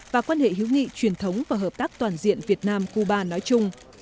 và quan hệ hữu nghị truyền thống và hợp tác toàn diện việt nam cuba nói chung